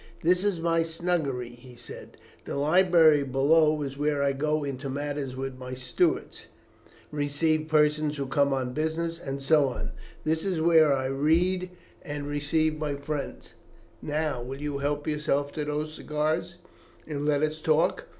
"This is my snuggery," he said. "The library below is where I go into matters with my stewards, receive persons who come on business, and so on. This is where I read and receive my friends. Now, will you help yourself to those cigars, and let us talk.